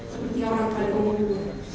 seperti orang pada komunimu